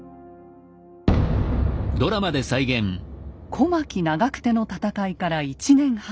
小牧・長久手の戦いから１年半。